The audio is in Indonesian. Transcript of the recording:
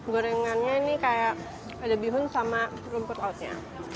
gorengannya ini kayak ada bihun sama rumput lautnya